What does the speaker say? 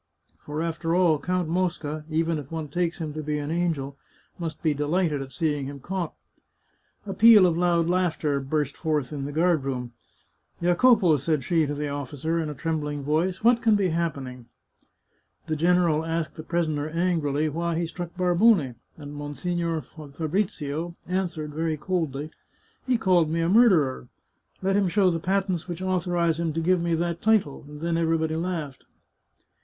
For, after all. Count Mosca, even if one takes him to be an angel, must be delighted at seeing him caught." A peal of loud laughter burst forth in the guard room. " Jacopo," said she to the officer, in a trembUng voice, " what can be happening ?"" The general asked the prisoner angrily why he struck Barbone, and Monsignore Fabrizio answered very coldly: ' He called me a murderer ; let him show the patents which authorize him to give me that title,' and then everybody laughed."